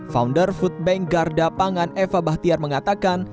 founder foodbank garda pangan eva bahtiar mengatakan